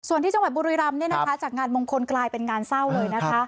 ส่วนที่จังหวัดบุรีรำจากงานมงคลกลายเป็นงานเศร้าเลยนะคะ